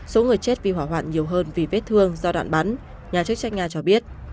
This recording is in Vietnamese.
số người chết vì hỏa hoạn nhiều hơn vì vết thương do đoạn bắn nhà chức trách nga cho biết